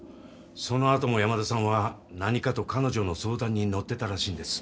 その後も山田さんは何かと彼女の相談に乗ってたらしいんです。